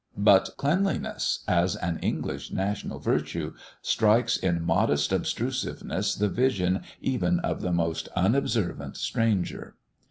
But cleanliness, as an English national virtue, strikes in modest obstrusiveness the vision even of the most unobservant stranger.